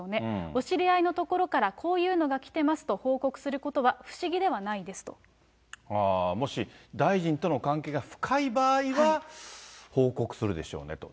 お知り合いのところからこういうのが来てますと報告することは不もし、大臣との関係が深い場合は、報告するでしょうねと。